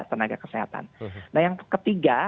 tenaga kesehatan nah yang ketiga